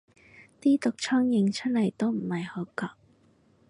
啲毒瘡影出嚟都唔係好覺